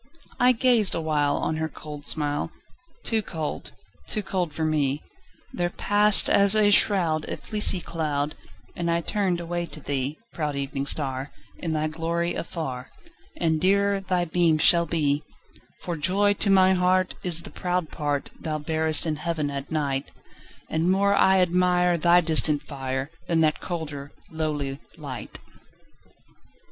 I gazed awhile On her cold smile; Too cold—too cold for me— There passed, as a shroud, A fleecy cloud, And I turned away to thee, Proud Evening Star, In thy glory afar And dearer thy beam shall be; For joy to my heart Is the proud part Thou bearest in Heaven at night, And more I admire Thy distant fire, Than that colder, lowly light.